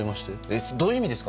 どういう意味ですか？